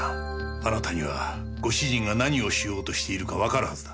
あなたにはご主人が何をしようとしているかわかるはずだ。